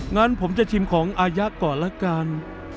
งั้นผมจะชิมของอายะก่อนละกัน